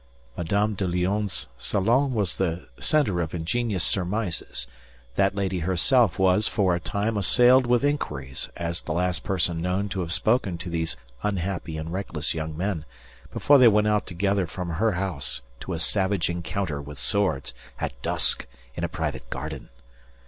Madame de Lionne's salon was the centre of ingenious surmises; that lady herself was for a time assailed with inquiries as the last person known to have spoken to these unhappy and reckless young men before they went out together from her house to a savage encounter with swords, at dusk, in a private garden.